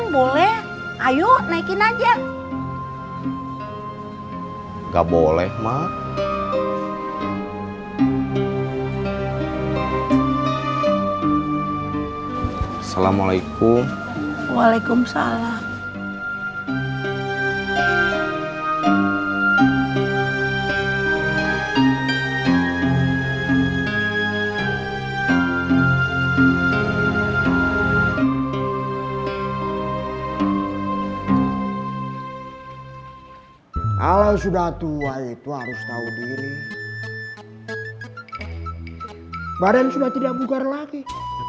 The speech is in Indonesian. badan sudah tidak bugar lagi